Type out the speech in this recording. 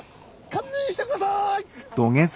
堪忍してください！